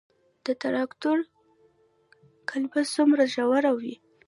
د تراکتور قلبه څومره ژوره وي؟